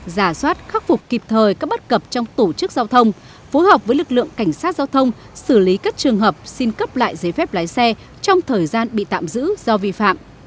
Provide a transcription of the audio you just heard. giả soát khắc phục kịp thời các bất cập trong tổ chức giao thông phối hợp với lực lượng cảnh sát giao thông xử lý các trường hợp xin cấp lại giấy phép lái xe trong thời gian bị tạm giữ do vi phạm